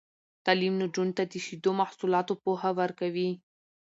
تعلیم نجونو ته د شیدو محصولاتو پوهه ورکوي.